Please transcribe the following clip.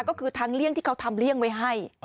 ก็คือทางเลี่ยงที่เขาทำเลี่ยงไว้ให้